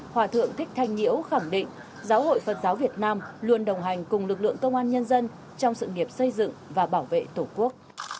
hòa thượng thích thanh nhiễu khẳng định giáo hội phật giáo việt nam luôn đồng hành cùng lực lượng công an nhân dân trong sự nghiệp xây dựng và bảo vệ tổ quốc